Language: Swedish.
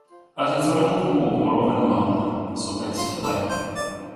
Att jag tar emot gåvor av en man, som älskar mig.